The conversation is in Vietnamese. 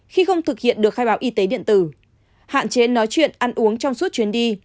khi không thực hiện được khai báo y tế điện tử hạn chế nói chuyện ăn uống trong suốt chuyến đi